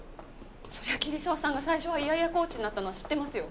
そりゃあ桐沢さんが最初は嫌々コーチになったのは知ってますよ。